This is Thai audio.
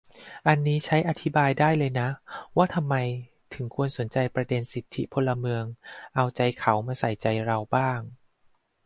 อันนี้ใช้อธิบายได้เลยนะ ว่าทำไมถึงควรสนใจประเด็นสิทธิพลเมือง เอาใจเขามาใส่ใจเราบ้าง